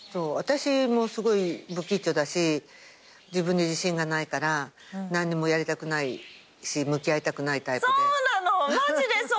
私もすごいぶきっちょだし自分に自信がないから何にもやりたくないし向き合いたくないタイプで。